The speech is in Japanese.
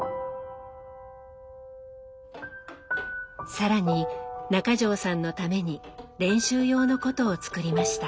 更に中条さんのために練習用の箏を作りました。